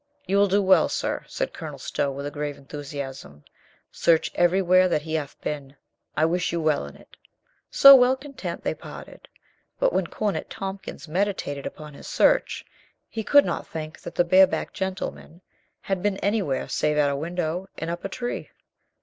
"You will do well, sir," said Colonel Stow with a grave enthusiasm, "Search everywhere that he hath been. I wish you well in it." So, well content, they parted. But when Cornet Tompkins meditated upon his search, he could not think the barebacked gentleman had been anywhere save at a window and up a tree.